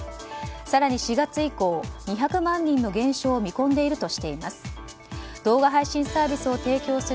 更に４月以降２００万人の減少を見込んでいるとしています。